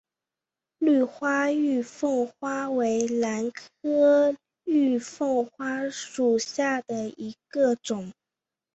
绿花玉凤花为兰科玉凤花属下的一个种。